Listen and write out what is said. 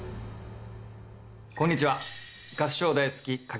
こんにちは。